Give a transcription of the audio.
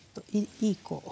いい子。